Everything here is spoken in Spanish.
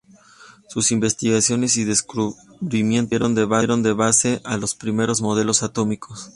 Sus investigaciones y descubrimientos sirvieron de base a los primeros modelos atómicos.